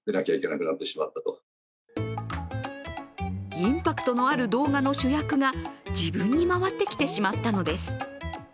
インパクトのある動画の主役が自分に回ってきてしまったのです。